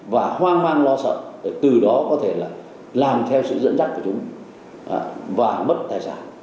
và hoang mang lo sợ để từ đó có thể là làm theo sự dẫn dắt của chúng và mất tài sản